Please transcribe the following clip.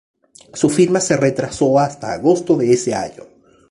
Su firma se retrasó hasta agosto de ese año.